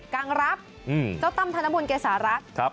กลางรับเจ้าตั้มธนบุญเกษารัฐ